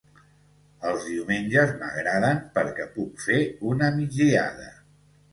Els diumenges m'agraden perquè puc fer una migdiada